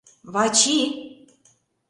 Вачи!..